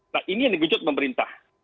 nah ini yang digejut pemerintah